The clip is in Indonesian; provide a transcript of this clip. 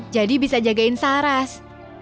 jadi bisa jagain saras